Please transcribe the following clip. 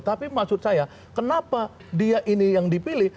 tapi maksud saya kenapa dia ini yang dipilih